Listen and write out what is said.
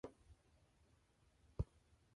No woman has ever been selected either.